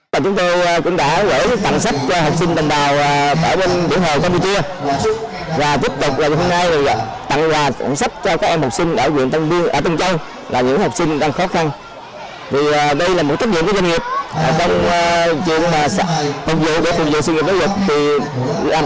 dịp này các đơn vị cũng đã tặng hai mươi phần quà cho các gia đình có hoàn cảnh khó khăn trên địa bàn huyện tân châu tạo điều kiện về vật chất thiết yếu cho con em được đến trường